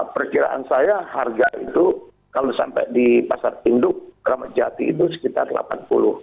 perkiraan saya harga itu kalau sampai di pasar induk ramadjati itu sekitar rp delapan puluh